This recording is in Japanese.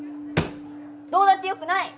どうだってよくない！